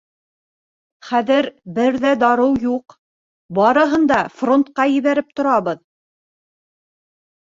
Хәҙер бер ҙә дарыу юҡ, барыһын да фронтҡа ебәреп торабыҙ.